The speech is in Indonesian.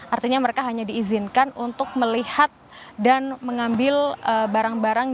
artinya mereka hanya diizinkan untuk melihat dan mengambil barang barang